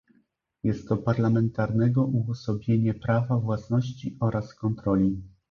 Jest to parlamentarnego uosobienie prawa własności oraz kontroli